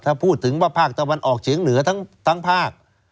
ถ้าพูดถึงว่าภาคตะวันออกเฉียงเหนือทั้งภาค